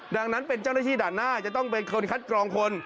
ดังนั้นเป็นเจ้าหน้าที่ด่านหน้าจะต้องเป็นคนคัดกรองคน